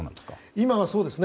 今はそうですね。